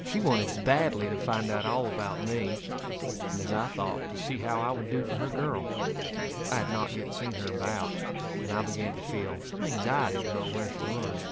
She wanted badly to find out all about me, and as I thought to see how I would do for her girl. I had not yet seen her about, and I began to feel some anxiety to know where she was.